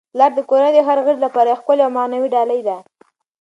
پلار د کورنی د هر غړي لپاره یو ښکلی او معنوي ډالۍ ده.